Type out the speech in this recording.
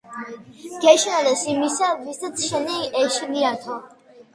გეშინოდეს იმისა, ვისაც შენი ეშინიანო.